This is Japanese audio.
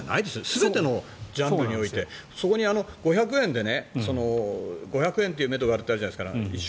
全てのジャンルにおいてそこに５００円で５００円というめどがあるとあるじゃないですか。